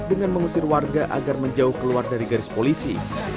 dengan mengusir warga agar menjauh keluar dari garis polisi